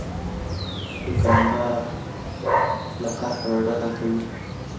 دوکاندار له قهره ډډه کوي.